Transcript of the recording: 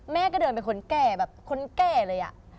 แม่ก็เดินเป็นคนแก่แบบคนแก่เลยอะ